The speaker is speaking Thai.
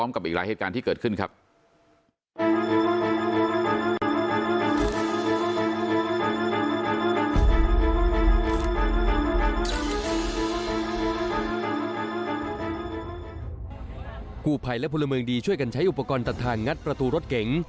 กู้ภัยและพลเมืองดีช่วยกันใช้อุปกรณ์ตัดทางงัดประตูรถเก๋ง